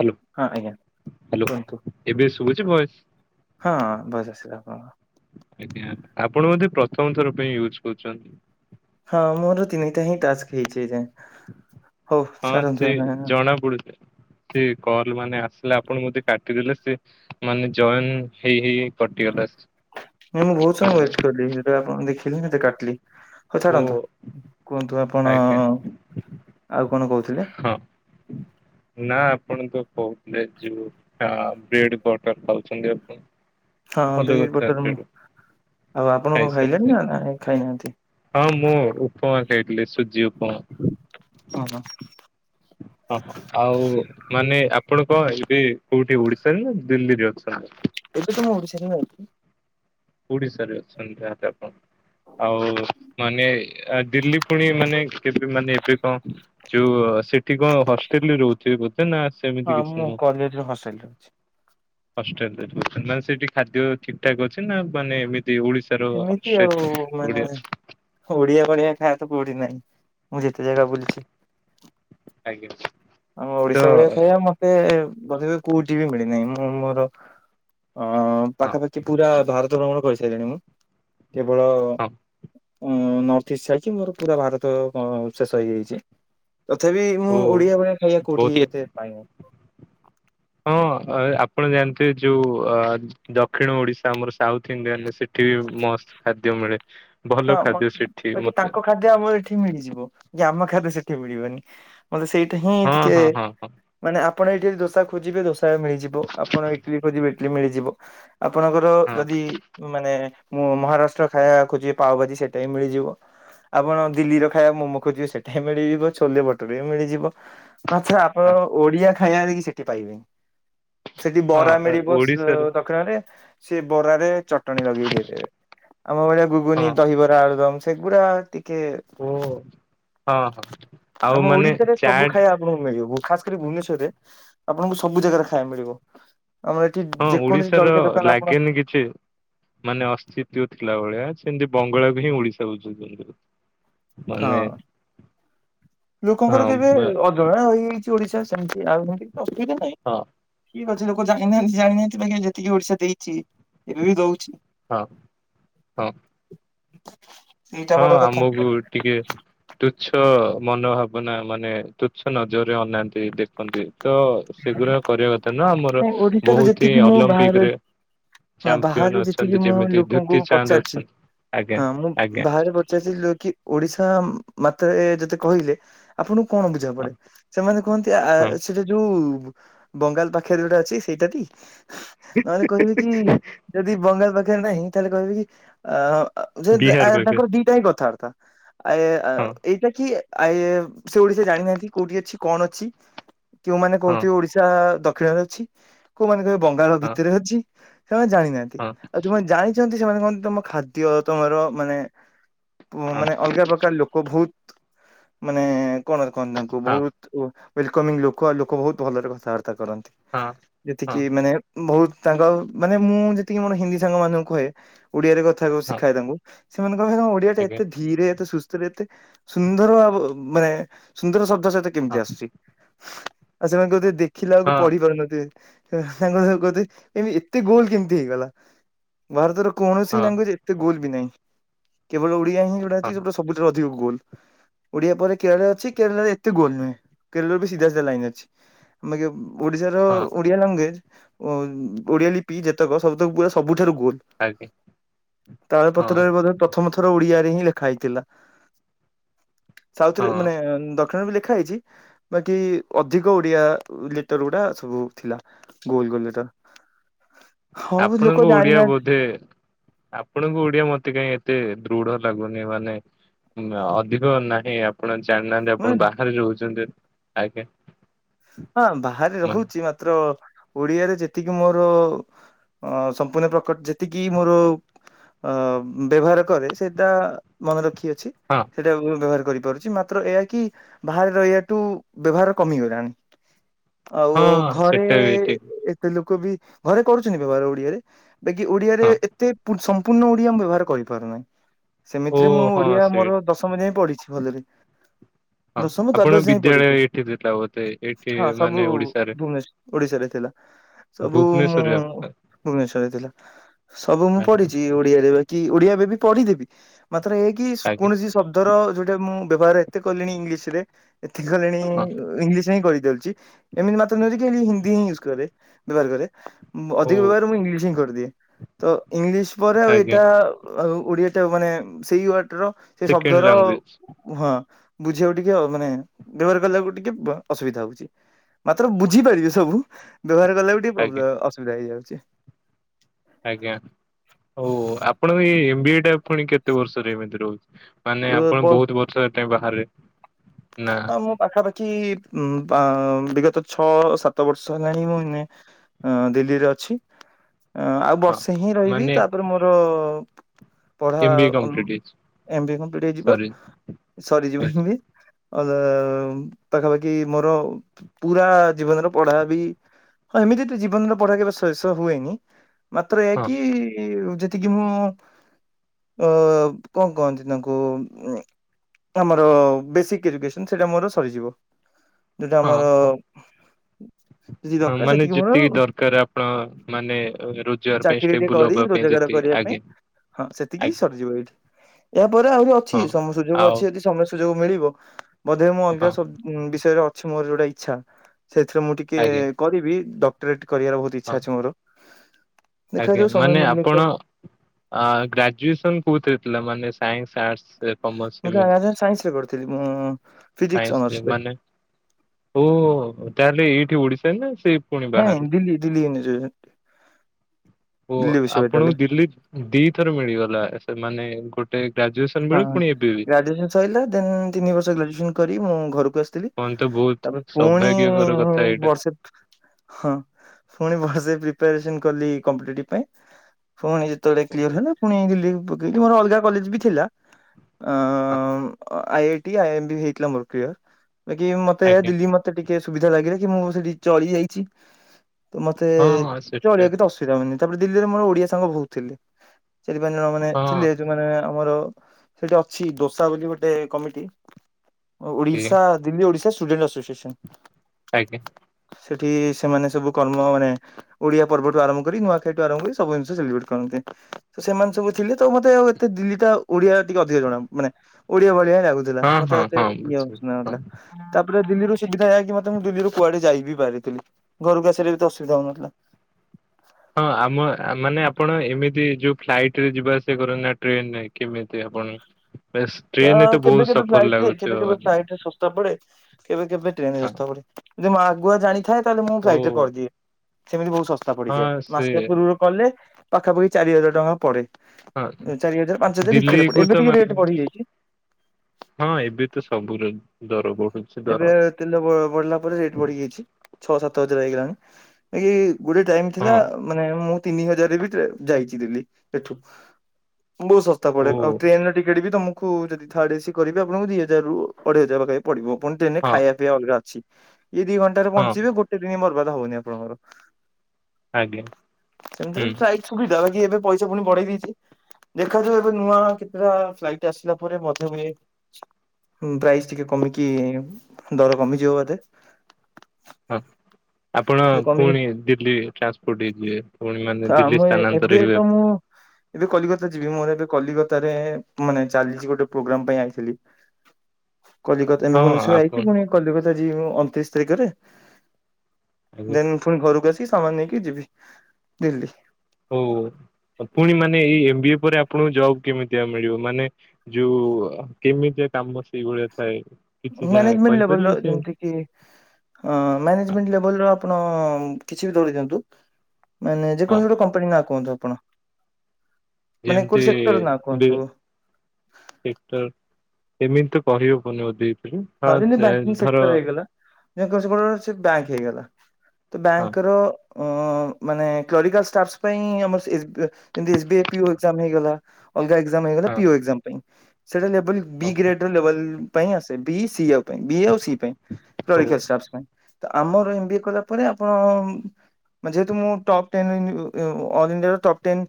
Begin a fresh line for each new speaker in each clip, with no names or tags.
Hello
ହଁ ଆଜ୍ଞା
hello
କୁହନ୍ତୁ
ଏବେ ଶୁଭୁଛି ଭଏସ
ହଁ ଭଏସ ଆସିଲା ଆପଣଙ୍କର
ଆଜ୍ଞା ଆପଣ ବୋଧେ ପ୍ରଥମ ଥର ପାଇଁ ୟୁଜ୍ କରୁଛନ୍ତି।
ହଁ ମୋର ତିନିଟା ହିଁ ଟାସ୍ ହେଇଛି ଏ ଯାଏ।
ହଁ ସେ ଜଣା ପଡୁଚି। ସେ କଲ୍ ମାନେ ଆସିଲା, ଆପଣ ବୋଧେ କାଟିଦେଲେ? ସେ ମାନେ ଜଏନ୍ ହେଇ ହେଇ କଟିଗଲା ସେ।
ମୁଁ [unintelligible] ବହୁତ ସମୟ
ମାନେ
ୱେଟ କଲି। ଯୋଉ ଆପଣଙ୍କୁ ଦେଖିଲି [unintelligible] କାଟିଲି ହଉ
ଓ
ଛାଡନ୍ତୁ, କୁହନ୍ତୁ ଆପଣ
ଆଜ୍ଞା
ଆଉ କଣ କହୁଥିଲେ?
ହଁ। ନା ଆପଣ ତ କହୁଥିଲେ, ଯୋଉ ବ୍ରେଡ୍ ବଟର୍ ଖାଉଛନ୍ତି ଆପଣ।
ହଁ
ଭଲ
ବ୍ରେଡ୍
କଥା
ବଟର୍,
ବ୍ରେଡ
[unintelligible] ଆଉ ଆପଣ କଣ
ଖାଇସାରିଛି
ଖାଇଲେଣି ନା ଖାଇନାହାନ୍ତି?
ହଁ ମୁଁ ଉପମା ଖାଇଥିଲି, ସୁଜି ଉପମା।
ଓ ହୋ।
ଓ ହୋ। ଆଉ ମାନେ ଆପଣ କଣ, ଏବେ କୋଉଠି ଓଡିଶାରେ ନା ଦିଲ୍ଲୀରେ ଅଛନ୍ତି?
ଏବେ ତ ମୁଁ ଓଡ଼ିଶାରେ ହିଁ ଅଛି।
ଓଡ଼ିଶାରେ ଅଛନ୍ତି ତାହାଲେ ଆପଣ। ଆଉ ମାନେ ଦିଲ୍ଲୀ ପୁଣି ମାନେ କେବେ ମାନେ ଏବେ କଣ ଯୋଉ ସେଠି କଣ ହଷ୍ଟେଲରେ ରହୁଥିବେ ବୋଧେ ନା ସେମିତି
ହଁ
କିଛି
ମୁଁ କଲେଜ ରରେ ହସଲ ର ଅଛି
ହଷ୍ଟେଲ ରେ ରହୁଛନ୍ତି, ମାନେ ସେଇଠି ଖାଦ୍ୟ ଠିକ୍ ଠାକ୍ ଅଛି ନା? ମାନେ ଏମିତି ଓଡିଶା
ସେମିତି ଆଉ
ଓଡ଼ିଶାରୁ [unintelligible]
ମାନେ
ଓଡିଆ
ଓଡିଆ ବଢିଆ ଖାଇଆ ତ କୋଉଠି ନାହିଁ, ମୁଁ ଯେତେ ଜାଗା ବୁଲିଚି।
ଆଜ୍ଞା।
ଆମ
ତ
ଓଡିଶା ଭଳିଆ ଖାଇବା ମତେ କୋଉଠି ବି ମିଳିନାହିଁ। ମୁଁ ମୋର ଅ
ହଁ
ପାଖାପାଖି ପୁରା ଭାରତ ଭ୍ରମଣ କରିସାରିଲିଣି ମୁଁ। କେବଳ
ହଁ
ଉଁ ନର୍ଥ ଇଷ୍ଟ ଯାଇଚି, ମୋର ପୁରା ଭାରତ ଶେଷ ହେଇଯାଇଛି। ତଥାପି ମୁଁ
ଓ
ଓଡିଆ ଭଳିଆ କୋଉଠି
ବହୁତ
ଏତେ ପାଇନି?
ହଁ ଆପଣ ଜାଣିଥିବେ ଯୋଉ ଅ ଦକ୍ଷିଣ ଓଡିଶା, ଆମର ସାଉଥ ଇଣ୍ଡିଆନରେ ସେ ସେଠି ବି ମସ୍ତ ଖାଦ୍ୟ ମିଳେ, ଭଲ ଖାଦ୍ୟ ସେଠି ମତେ
ଯୋଉ ଆମର ଏଠି ମିଳିଯିବ, ଯେ ଆମ ଖାଦ୍ୟ ସେଠି ମିଳିବନି। ମତେ ସେଇଟା ହିଁ
ହଁ
ଟିକେ
ହଁ ହଁ ହଁ ହଁ
ମାନେ ଆପଣ ଏଇଠି ଯଦି ଦୋସା ଖୋଜିବେ, ଦୋସା ମିଳିଯିବ। ଆପଣ ଇଟଲିି ଖୋଜିବେ, ଇଟଲିି ମିଳିଯିବ। ଆପଣଙ୍କର
ହଁ।
ଯଦି ମାନେ ମୁଁ ମହାରାଷ୍ଟ୍ର ଖାଇବା ଖୋଜି ପାଓବାଜି ସେଇଟା ବି ମିଳିଯିବ। ଆପଣ ଦିଲ୍ଲୀର ଖାଇବା ମୋମୋ ଖୋଜିବେ, ସେଇଟା ବି ମିଳିଯିବ। ଛୋଲେ ବଟୁରେ ବି ମିଳିଯିବ। ଆଚ୍ଛା ଆପଣ ଓଡିଆ ଖାଇବା ଯାଇକ ସେଠି ପାଇବେନି? ସେଠି ବରା
ହଁ
ମିଳିବ,
ଓଡିଶାରେ
ଦକ୍ଷିଣରେ। ସେ ବରାରେ ଚ ଚଟଣି ଲଗେଇ ଦେଇଦେବେ। ଆମ ଭଳିଆ
ହଁ
ଗୁଗୁନି ଦହିବରା ଆଳୁଦମ୍ ସେଗୁଡା ଟିକେ
ଓ ହଁ ହଁ ଆଉ
ଆମ
ମାନେ
ଓଡିଶାରେ ସବୁ
ଚାଟ୍
ଖାଇଆ ଆପଣଙ୍କୁ ମିଳିବ, ଖାସ କରି ଭୁବନେଶ୍ଵରରେ ଆପଣଙ୍କୁ ସବୁ ଜାଗାରେ ଖାଇବା ମିଳିବ। ଆମର ଏଠି
ହଁ
ଯେକୌଣସି
ଓଡିଶାର
ଜଳଖିଆ ଦୋକାନ ଆପଣ
ଲାଗେନି କିଛି ମାନେ ଅସ୍ତିତ୍ୱ ଥିଲା ଭଳିଆ, ସେମିତି ବଙ୍ଗଳାକୁ ହିଁ ଓଡିଶା ବୁଝଉଛନ୍ତି।
ହଁ ଲୋକଙ୍କର
ହଁ
କେବେ
ବା
ଅ ଜଣା ହେଇଯାଇଛି ଓଡିଶା, ସେମିତି ଆଉ କିଛି ଅସୁବିଧା ନାହିଁ।
ହଁ।
ଠିକ୍ ଅଛି ଲୋକ ଜାଣିନାହାନ୍ତି ଜାଣିନାହାନ୍ତି, [unintelligible] ଯେତିକି ଓଡିଶା ଦେଇଛି ଏବେ ବି ଦଉଛି।
ହଁ- ହଁ।
ସେଇଟା
ହଁ
ବଡ କଥା।
ଆମକୁ ଟିକେ ତୁଚ୍ଛ ମନଭାବନା, ମାନେ ତୁଚ୍ଛ ନଜରରେ ଅନାନ୍ତି ଦେଖନ୍ତି ତ ସେଗୁରା କରିବା କଥା ନୁହଁ, ଆମର
ନାଇଁ ଓଡିଶାରେ
ବହୁତ
ଯେତିକି
ହି
ମୁଁ ବାହାରେ
ଅଲମ୍ପିକରେ
ହଁ ବାହାରେ
ଚାମ୍ପିୟନ
ଯେତିକି
ଅଛନ୍ତି,
ମୁଁ
ଯେମିତି
ଲୋକଙ୍କୁ
ଧୁତିଚାନ୍ଦ
ପଚାରିଛି
ଅଛନ୍ତି। ଆଜ୍ଞା ଆଜ୍ଞା।
ଓଡିଶା-ଆ-ଆ-ଆ-ମ୍ ମାତେ ଏ ଯେତେ କହିଲେ ଆପଣଙ୍କୁ କଣ ବୁଝା
ହଁ
ପଡେ ସେମାନେ କହନ୍ତି
ହଁ
ଆ-ଆ-ଆ ସେଠି ଯୋଉ-ଉ-ଉ ବଙ୍ଗାଲ ପାଖରେ ଯୋଉଟା ଅଛି ସେଇଟା ତି। ନହେଲେ କହିବି କି-ଇ -ଇ ଯଦି ବଙ୍ଗାଲ ପାଖରେ ନାହିଁ ତାହେଲେ କହିବି କି ଅ-ଅ-ଅ ଯେ
ବିହାର
ଅ
ପାଖରେ
ତାଙ୍କର ଦିଟା ହିଁ କଥାବାର୍ତା ଆ-ଅ-ଅ
ହଁ
ଏଇଟା କି ଆ-ଏ-ଏ ସେ ଓଡିଶା ଜାଣିନାହାନ୍ତି କୋଉଠି ଅଛି କଣ ଅଛି। କେଉମାନେ
ହଁ
କହୁଥିବେ ଓଡିଶା-ଆ-ଆ ଦକ୍ଷିଣରେ ଅଛି। କୋଉମାନେ କହିବେ ବଙ୍ଗାଳ
ହଁ
ଭିତରେ ଅଛି। ସେମାନେ ଜାଣିନାହାନ୍ତି
ହଁ
ଆଉ ଯୋଉମାନେ ଜାଣିଛନ୍ତି ସେମାନେ କହନ୍ତି ତମ ଖାଦ୍ୟ ତମର ମାନେ ଉ
ହଁ
ମାନେ ଅଲଗା ପ୍ରକାର ଲୋକ ବହୁତ ମାନେ-ଏ-ଏ-ଏ କଣ କହନ୍ତି ତାଙ୍କୁ
ହଁ
ବହୁତ ଓ ୱଲକମିଂ ଲୋକ ଆ ଲୋକ ବହୁତ ଭଲରେ କଥାବାର୍ତ୍ତା କରନ୍ତି
ହଁ
ଯେତିକି
ହଁ
ମାନେ ବହୁତ ତାଙ୍କ ମାନେ ମୁଁ ଯେତିକି ମୋର ହିନ୍ଦୀ ସାଙ୍ଗ ମାନଙ୍କୁ କୁହେ ଓଡିଆରେ କଥାକୁ
ହଁ
ଶିଖାଏ ତାଙ୍କୁ ସେମାନେ କହିବେ ଭାଇ ତମ ଓଡିଆ ଟା
ଆଜ୍ଞା
ଏତେ ଧୀରେ ଏତେ ସୁସ୍ ରେ ଏତେ ସୁନ୍ଦର ଭାବ ମାନେ ସୁନ୍ଦର ଶବ୍ଦ ସହିତ କେମିତି
ହଁ
ଆସୁଛି। ଆଉ ସେମାନେ
ହଁ
କହୁଥିବେ ଦେଖିଲା ବେଳକୁ
ହଁ
ପଢି ପାରୁନଥିବେ। ସାଙ୍ଗ ସବୁ କହୁଥିବେ ଏବେ ଏତେ ଗୋଲ କେମିତି ହେଇଗଲା। ଭାରତର କୌଣସି
ହଁ
ଲାଙ୍ଗୁଏଜ ଏତେ ଗୋଲ ବି ନାହିଁ କେବଳ ଓଡିଆ ହିଁ ଯୋଟା ଅଛି [unintelligible] ସବୁଠାରୁ ଅଧିକ ଗୋଲ୍। ଓଡିଆ ପରେ କେରଳାରେ ଅଛି, କେରଳାରେ ଏତେ ଗୋଲ ନୁହେଁ କେରଳା ବି ସିଧା ସିଧା ଲାଇନ୍ ଅଛି। ବାକି ବ ଓଡିଶାର
ହଁ
ଓଡିଆ ଲାଙ୍ଗୁଏଜ ଓ-ଓ ଓଡ଼ିଆ ଲିପି ଯେତେକ ସବୁତକ ପୁରା ସବୁଠାରୁ ଗୋଲ୍।
ଆଜ୍ଞା ହଁ
ତାଳପତ୍ରରେ ବୋ [unintelligible] ପ୍ରଥମ ଥର ଓଡିଆରେ ହିଁ ଲେଖା ହେଇଥିଲା। ସାଉଥ୍ ରେ
ହଁ
ମାନେ-ଏ-ଏ ଦ କ୍ଷୀଣରେ ବି ଲେଖା ହେଇଛି। ବାକି-ଇ-ଇ ଅଧିକ ଓଡିଆ ଲେଟର ଗୁଡା ସବୁ ଥିଲା ଗୋଲ ଗୋଲ ଲେଟର। ହଁ ଲୋକ
ଆପଣଙ୍କୁ ଓଡିଆ
ଜାଣିନାହାନ୍ତି
ବୋଧେ ଆପଣଙ୍କୁ ଓଡିଆ ମତେ କାଇହିଁ ଏତେ ଦୃଢ ଲାଗୁନି ମାନେ ନା ଅଧିକ ନାହିଁ ଆପଣ ଜାଣିନାହାନ୍ତି
ମାନେ
ଆପଣ ବାହାରେ ରହୁଛନ୍ତି [unintelligible]
ହଁ ବାହାରେ
ମାନେ
ରହୁଛି ମାତ୍ର ଓଡିଆରେ ଯେତିକି ମୋର-ଅ-ଅ ଅ ସମ୍ପୂର୍ଣ୍ଣ ପ୍ରକଟ ଯେତିକି ମୋର ଅ-ଅ ବ୍ୟବହାର କରେ ସେଇଟା ମନେ ରଖିଅଛି।
ହଁ।
ସେଇଟା ବ୍ୟବହାର କରିପାରୁଛି ମାତ୍ର ଏହା କି ବାହାରେ ରହିଆ ଠୁ-ଉ-ଉ ବ୍ୟବହାର କମିଗଲାଣି। ଆଉ-ଉ-ଉ-ଉ
ହଁ ସେଟା ବି
ଘରେ-ଏ-ଏ
ଠିକ
ଏ ତେ ଲୋକ ବି ଘରେ କରୁଛନ୍ତି ବ୍ୟବହାର ଓଡିଆରେ ବାକି ଓଡିଆରେ
ହଁ
ଏତେ ସ ପୂର୍ଣ୍ଣ ଓଡିଆ ମୁ ବ୍ୟବହାର କରିପାରୁନାହିଁ
ଓ
ସେମିତିରେ ମୁଁ
ହଁ
ଓଡିଆ
ସେ
ମୋର ଦଶମ ଯାଏଁ ପଢିଛି ଭଲରେ।
ହଁ
ଦଶମ
ଆପଣ
ଦ୍ଵାଦଶ ଯାଏଁ
ବିଦ୍ୟାଳୟ
ପଢିଛି।
ଏଠି ଥିଲା ବୋ
ହଁ ସବୁ-ଉ-ଉ ଭୁବନେଶ ଓଡିଶାରେ ଥିଲା। ସବୁ-ଉ-ଉ-ଉମ୍
ଭୁବନେଶ୍ଵରରେ
ଭୁବନେଶ୍ଵରରେ ଥିଲା ସବୁ ମୁଁ
ଆଜ୍ଞା
ପଢିଛି ଓଡିଆରେ ବା କି ଓଡିଆ ଏବେ ବି ପଢିଦେବି ମାତ୍ର ଏ କି ସ
ଆଜ୍ଞା
ପୁଣି ସ ଶବ୍ଦର ଯୋଉଟା ମୁଁ ବ୍ୟବହାର ଏତେ କଲିଣି ଇଂଲିଶ ରେ ଏତି କଲିଣି-ଇ-ଇ ଇଂଲିଶ ଇ କରିଚାଲିଛି ଏମିତି ମାତ୍ର ନୁହେଁ ଯେ କି-ଇ-ଇ ହିନ୍ଦୀ ହିଁ ୟୁଜ କରେ ବ୍ୟବହାର କରେ।
ହଁ ଓ
ଅଧିକ ବ୍ୟବହାର ମୁଁ ଇଂଲିଶ ହିଁ କରିଦିଏ ତ ଇଂଲିଶ ପରେ ଆଉ
ଆଜ୍ଞା
ଏଇଟା-ଆ-ଆ ଆଉ ଓଡିଆଟା ମାନେ ସେଇ ୱାର୍ଡ ର ସେଇ
ସେକେଣ୍ଡ
ଶବ୍ଦର
ଲାଙ୍ଗୁଏଜ
ହଁ ବୁଝିବାକୁ ଟିକେ ଅ ମାନେ ବ୍ୟବହାର କଲାକୁ ଟିକେ ବ ଅସୁବିଧା ହଉଛି ମାତ୍ର ବୁଝିପାରିବେ ସବୁ ବ୍ୟବହାର କଲେ ବି ଟିକେ
ଆଜ୍ଞା
ପ୍ରୋବ୍ଲେ ଅସୁବିଧା ହେଇଯାଉଛି।
ଆଜ୍ଞା ହଉ ଆପଣ ଏ ଏମ୍ ବି ଏ ଟା ପୁଣି କେତେ ବର୍ଷରେ ଏମିତି ରହୁଛି। ମାନେ
ବ
ଆପଣ ବହୁତ ବର୍ଷ ହେ ଟା ବାହାରେ। ନା
ହଁ ମୁଁ ପାଖାପାଖି-ଇଅ-ଅ-ଅ ପା ବିଗତ ଛଅ ସାତ ବର୍ଷ ହେଲାଣି ମୁଁ ଏଇନେ ଅ ଦିଲ୍ଲୀରେ ଅଛି ଅ ଆଉ
ହଁ
ବର୍ଷେ ହିଁ ରହିବି
ମାନେ
ତାପରେ ମୋର-ଅ-ଅ-ଅ ପଢା
ଏମ ବି ଏ କମ୍ପ୍ଲିଟ
[unintelligible]
ହେଇଛି
ଏମ ବି କମ୍ପିଟ୍ ହେଇଯିବ,
ସରି ଆଜ୍ଞା
ସରିଯିବ ବି। ଅଦ ଅ, ପାଖାପାଖି ମୋର ପୁରା ଜୀବନର ପଢା ବି ହଁ ଏମିତି ଜୀବନରେ ପଢା କେବେ ଶେଷ ହୁଏନି। ମାତ୍ର ଏହା
ହଁ
କି ଯେ ତିକି ମୁଁ ଅ, କଣ କହନ୍ତି ତାଙ୍କୁ ଆମର ବେସିକ୍ କେଜୁକେସନ୍ ସେଟା ମୋର ସରିଯିବ। ଯୋଉଟା
ହଁ
ଆମର
ହଁ
ଯେତିକି
ହଁ
ଦରକାର
ମାନେ
ସେତିକି ମୋର
ଯେତିକି ଦରକାର, ଆପଣ ମାନେ ରୋଜଗାର ପାଇଁ
ଚାକିରି ଟିକେ
ଷ୍ଟେବୁଲ୍
କରି
ହବା ପାଇଁ
ରୋଜଗାର
ଯେତିକି
କରିବା ପାଇଁ
ଆଜ୍ଞା।
ହଁ ସେତିକି
ଆଜ୍ଞା
ସରିଯିବ ଏଇଠି। ଏହା ପରେ ଆହୁରି ଅଛି
ହଁ
ସମ ସୁଯୋଗ
ଆଉ
ଅଛି ଯଦି ସମୟ ସୁଯୋଗ ମିଳିବ। ବୋଧେ ମୁଁ ଅଲଗା
ହଁ
ସବ ଉଁ, ବିଷୟରେ ଅଛି ମୋର ଯୋଉଟା ଇଚ୍ଛା, ସେଥିରେ ମୁଁ ଟି କେ
ଆଜ୍ଞା
କରିବି ଡକ୍ଟୋରେଟ୍ କରିବାର ବହୁତ
ହଁ
ଇଚ୍ଛା ଅଛି ମୋର।
ଆଜ୍ଞା
ଦେଖାଯାଉ ସମୟ
ମାନେ
ମିଳିଲେ
ଆପଣ
କରିବି।
ଗ୍ରାଜୁଏସନୂ କୋଉଥିରେ ଥିଲା ମାନେ ସାଇନ୍ସ, ଆର୍ଟସ୍?
ମୁଁ ଗ୍ରାଜୁଏସନ୍ ସାଇନ୍ସ ରେ କରିଥିଲି ମୁଁ
ସାଇନ୍ସ
ଫିଜିକ୍ସ ଅନର୍ସ ରେ।
ମାନେ ଓ ତାହେଲେ ଏଇଠି ଓଡିଶା ନା ସେ ପୁଣି
ନାଇଁ,
ବାହାରୁ
ନାଇଁ ଦିଲ୍ଲୀ, ଦିଲ୍ଲୀ ଇନ୍ ଏଜୁକେସନ୍।
ଓ ଆପଣଙ୍କୁ ଦିଲ୍ଲୀ ଦି ଥର ମିଳିଗଲା ଏ ସେ ମାନେ ଗୋଟେ ଗ୍ରାଜୁଏସ
ହଁ ଗ୍ରାଜୁଏସନ୍ ସରିଲା ଦେନ୍ ତିନି ବର୍ଷ ଗ୍ରାଜୁଏସନ୍ କରି ମୁଁ ଘରକୁ ଆସ ଥିଲି।
କଣ ତ ବହୁତ
ତାପରେ ପୁଣି
ସୌଭାଗ୍ୟକର କଥା ଏଇଟା।
ବର୍ଷେ ହଁ ପୁଣି ବର୍ଷେ ପ୍ରିପାରେସନ୍ କଲି କମ୍ପିଟେଟିଭ୍ ପାଇଁ। ପୁଣି ଯେ ତେବେଳେ
ଓହୋ।
କ୍ଲିୟର୍ ହେଲା, ପୁଣି ଦିଲ୍ଲୀ ପକେଇଲି, ମୋର ଅଲଗା କଲେଜ୍ ବି ଥିଲା। ଅ,
ହଁ
ଅ, I IIT, I I M B B ହେଇଥିଲା, ମୋର କ୍ଲିୟର୍ ବାକି ମୋତେ
ଆଜ୍ଞା
ଦିଲ୍ଲୀ ମୋ ମୋତେ ଟିକେ ସୁବିଧା ଲାଗିଲା କି ମୁଁ ସେଠି ଚଳି ଯାଇଛି ତ ମୋତେ
ହଁ ସେଟା
ଚଳିବାକୁ କି ତ ଅସୁ ବିଧା ହଉନି, ତାପରେ ଦିଲ୍ଲୀରେ ମୋର ଓଡିଆ ସାଙ୍ଗ ବହୁତ ଥିଲେ। ଚାରି ପାଞ୍ଚ ଜଣ ମାନେ
ହଁ
ଥିଲେ ଯୋଉମାନେ ଆମର ସେଠି ଅଛି ଦୋସା ବୋଲି ଗୋଟେ କମିଟି, ଓ
ଆଜ୍ଞା
ଓଡିଶା ଦିଲ୍ଲୀ ଓଡ଼ିଶା ଷ୍ଟୁଡେଣ୍ଟ ଆସୋସେସନ୍।
ଆଜ୍ଞା।
ସେଠି ସେମାନେ ସବୁ କର୍ମ ମାନେ ଓଡିଆ ପର୍ବ ଠୁ ଆରମ୍ଭ କରି ନୂଆଖାଇ ଠୁ ଆରମ୍ଭ କରି ସବୁ ଜିନଷ ସେିଲିବ୍ରେଟ୍ କରନ୍ତି। ତ ସେମାନେ ସବୁ ଥିଲେ ତ ମୋତେ ଆଉ ଏତେ ଦିଲ୍ଲୀ ଟା ଓଡିଆ ଟିକେ ଅଧିକ ଜଣା ମାନେ ଓଡିଆ ଭଳିଆ ଲାଗୁ ଥିଲା
ହଁ
ମୋତେ
ହଁ
ଆଉ ଏତେ
ହଁ
ଇଏ ହଉ
ବୁଝିଲି
[inaudible]
ହଁ
ନଥିଲା। ତାପରେ ଦିଲ୍ଲୀରୁ ସୁବିଧା ଯାଇକି ମୋତେ ମୁଁ ଦିଲ୍ଲୀରୁୁ କୁଆଡେ ଯାଇ ବି ପାରିଥିଲି। ଘରୁକୁ ଆସିବାରେ ବି ତ ଅସୁବିଧା ହଉନଥିଲା।
ହଁ ଆମ ଆ, ମାନେ ଆପଣ ଏମିତି ଯୋଉ ଫ୍ଲାଇଟ୍ ରେ ଯିବା ଆସିବା କରନ୍ତି ନା ଟ୍ରେନ୍ ରେ? କେମିତି ଆପଣ? ବେଶ
ତ
ଟ୍ରେନରେ
କେବେ
ବହୁତ
କେବେ
ସଫର
ଫ୍ଲାଇଟ୍ ରେ
ଲାଗୁଥିବ
କେବେ କେବେ
ମାନେ
ଫ୍ଲାଇଟ୍ ରେ ଶସ୍ତା ପଡେ। କେବେ କେବେ ଟ୍ରେନ୍ ରେ
ହଁ
ଶସ୍ତା ପଡେ। ଯେ ମୁଁ ଆଗୁଆ ଜାଣିଥାଏ ତାହେଲେ ମୁଁ
ଓ
ଫ୍ଲାଇଟ୍ ରେ କରିଦିଏ। ସେମିତି ବହୁତ ଶସ୍ତା ପଡିଯାଏ,
ହଁ ସେ
ମାସେ ପୂର୍ବରୁ କଲେ ପାଖାପାଖି ଚାରି ହଜାର ଟଙ୍କା ପଡେ।
ହଁ
ଏ ଚାରି ହଜାର, ପାଞ୍ଚ ହଜାର ଭିତରେ
ଦିଲ୍ଲୀକୁ
ପଡେ ଏବେ
ତ
ଟିକେ
ମାନେ
ରେଟ୍ ବଢିଯାଇଚି।
ହଁ ଏବେ ତ ସବୁୁର ଦର ବଢୁଛି।
ଏବେ
ଦର
ତେଲ ବ-ବଢିଲା ପରେ ରେଟ୍ ବଢି ଯାଇଛି ଛଅ ସାତ ହଜାର ହେଇଗଲାଣି। ବାକି ଗୁଟେ ଟାଇମ୍ ଥିଲା।
ହଁ
ମାନେ ମୁଁ ତିନି ହଜାର ରେ ବି ଯା-ଯାଇଛି ଦିଲ୍ଲୀ। ଏଠୁ ବହୁ ଶସ୍ ତା ପଡେ
ଓ
ଆଉ ଟ୍ରେନ୍ ର ଟିକେଟ୍ ବି ତୋମକୁ ଯଦି ଥାର୍ଡ ଏସି କରିବ ତ ଆପଣଙ୍କୁ ଦି ହଜାରରୁ ଅଢେଇ ହଜାର ପାଖାପାଖି ପଡିବ। ଟ୍ରେନ୍ ରେ
ହଁ
ଖାଇବା ପିଇବା ଅଲଗା ଅଛି। ଇଏ ଦି ଘଣ୍ଟାରେ
ହଁ
ପହଞ୍ଚିବେ, ଗୋ ଗୁଟେ ଦିନ ବର୍ବାଦ ହବନି ଆପଣଙ୍କର।
ଆଜ୍ଞା
ସେମିତିରେ
ହୁଁ
ଫ୍ଲାଇ ସୁବିଧା ବାକିି ଏବେ ପଇସା ପୁଣି ବଢେଇ ଦେଇଚି। ଦେଖାଯାଉ ଏବେ ନୂଆ କେତେଟା ଫ୍ଲାଇଟ୍ ଆସିଲା ପରେ ମଧ୍ୟମେ ଉଁ, ପ୍ରାଇସ୍ ଟିକେ କମିକି ଦର କମିଯିବ ବୋଧେ।
ହଁ। ଆପଣ
କମି
ପୁଣି ଦିଲ୍ଲୀ ଟ୍ରାନ୍ସପୋର୍ଟ ହେଇଯିବେ। ପୁଣି ମାନେ
ହଁ
ଦିଲ୍ଲୀ
ମୁଁ ଏବେ
ସ୍ଥାନାନ୍ତର
ତ
ହେବେ।
ମୁଁ ଏବେ କଲିକତା ଯିବି, ମୋର ଏବେ କଲିକତା ରେ ମାନେ ଚାଲିଛି ଗୋଟେ ପ୍ରୋଗ୍ରାମ ପାଇଁ ଆଇଥିଲି। କଲିକତା ଏବେ
ହଁ
ଭୁବନେଶ୍ୱରରେ
ଆପଣ
ଆଇଛି ପୁଣି କଲିକତା ଯିବି ଅଣତିରିଶ ତାରିଖରେ।
ଆଜ୍ଞା
ଦେନ୍ ପୁଣି ଘରକୁ ଆସିକି ସାମାନ ନେଇକି ଯିବି, ଦିଲ୍ଲୀ।
ହଉ ପୁଣି ମାନେ ଏଇ ଏମବ ଏ ପରେ ଆପଣଙ୍କୁ ଜବ୍ କେମିତିଆ ମିଳିବ? ମାନେ ଯୋଉ କେମିତି କାମ ସେଇଭଳିଆ ଥାଏ। କିଛି ଯାହା
ମ୍ୟାନେଜମେଣ୍ଟ ଲେବଲ ର
କହିପାରିବେ ସେ
ଯେମତି [unintelligible]
ହଁ
ମାନେଜମେଣ୍ଟ ଲେଲ ଆପଣ, କିଛି ବି ଧରି ଦିଅନ୍ତୁ। ମାନେ
ହଁ
ଯେକୌଣସି ଗୋଟେ କମ୍ପାନୀ ନା କୁହନ୍ତୁ ଆପଣ? ମାନେ
ଯେମିତି
କୋଟେ ସେକ୍ଟର ନାଁ କୁହନ୍ତୁ।
ସେଟ ଏମିତି ତ କହିବ ପୁନଦୀପ।
ହଁ ଯେମିତି ବ୍ୟାଙ୍କିଙ୍ଗ ସେକ୍ଟର ହେଇଗଲା। ସେ ବ୍ୟାଙ୍କ ହେଇଗଲା। ତ
ହଁ
ବ୍ୟାଙ୍କ ର ମାନେ କ୍ଲନିକାଲ୍ ଷ୍ଟାଫ୍ସ ପାଇଁ ଆମର ଏମିତି ଏସବିଆଇ ଏକ୍ସାମ ହେଇଗଲା। ଅଲଗା ଏକ୍ଜାମ ହେଇଗଲା
ହଁ
ପି ଏ ସେଟାେଲ ବି
ହଁ
ଗ୍ରେଡ ଲେଲ ପାଇଁ ଆସେ। ବି ସି ଆ ପାଇଁ ବି ଆଉ ସି ପାଇଁ
ହଉ।
[unintelligible] ପାଇଁ। ତ ଆମର ଏମବଏ କଲା ପରେ ଆପଣ ଯେହେତୁ ମୁପ୍ ଟପ ଟେନ୍ ଅଲ୍ ଇଣ୍ଡିଆନ ର ଟପ୍ ଟେନ୍।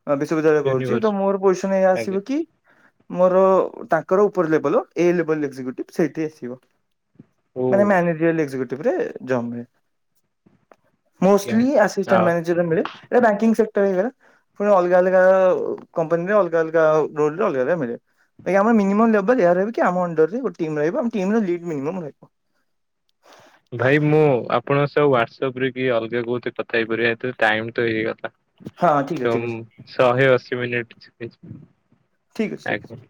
ବିଶ୍ୱବିଦ୍ୟାଳୟ କରୁଛି ତ
ୟୁନିଭର୍ସିଟି
ମୋର ପଇସାନ ଏ
ଆଜ୍ଞା
ଆସିବ କି। ମୋର ତାଙ୍କର ଉପର ଲେବଲ ଆସିବ।
ଓ
ମାନେ ମ୍ୟାନେଜରେ [unintelligible]
ଆଜ୍ଞା।
ମୋଷ୍ଟଲି ଆଟ
ହଁ
ମାନେଜର ମିଲେ ଏଟା ବ୍ୟାକିଂ ସେକ୍ଟରଲା ପୁଣି ଅଲଗା ଅଲଗା କମ୍ପାନୀରେ, ଅଲଗା ଅଲଗା ରୋଲ ରେ ଅଲଗା ଅଲଗା ମିଳେ। ଆମ ମିନିମମ୍ ଲେବଲ୍ ଏୟା ରହିବ କି ଆମ ଅଣ୍ଡରରେ ଗୋଟେ ଟିମ୍ ରହିବ, ଟିମ୍ ର ଲିଡ୍ ମିନିମମ୍ ରହିବ।
ଭାଇ ମୁଁ ଆପଣଙ୍କ ସହ ହ୍ଵାଟସଆପ ରେ କି ଅଲଗା କହୁ କଥା ହେଇପାରିବ ଏଥିରେ ଟାଇମ ତ ହେଇଗଲା।
ହଁ ଠିକ୍ ଅଛି ଠିକ୍ ଅଛି
ତମ ଶହେ ଅଶୀ ମିନିଟ।
ଠିକ ଅଛି ଠିକ
ଆଜ୍ଞା।
ଅଛି।